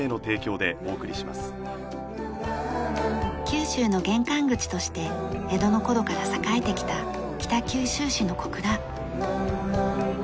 九州の玄関口として江戸の頃から栄えてきた北九州市の小倉。